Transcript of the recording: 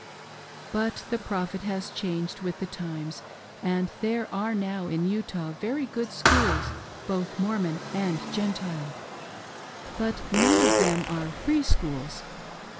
But the Prophet, has changed with the times, and there are now in Utah very good schools, both Mormon and Gentile, but none of them are //r^ schools.